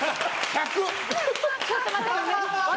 ちょっと待って。